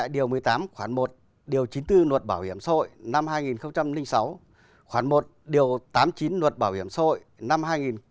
điều một mươi tám khoản một điều chín mươi bốn luật bảo hiểm xã hội năm hai nghìn sáu khoản một điều tám mươi chín luật bảo hiểm xã hội năm hai nghìn một mươi bốn